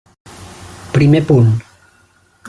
Primer punt.